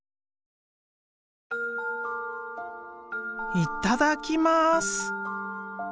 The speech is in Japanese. いただきます。